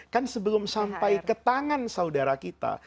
kan sebelum sampai ke tangan saudara kita